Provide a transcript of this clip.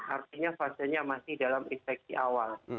artinya fasenya masih dalam infeksi awal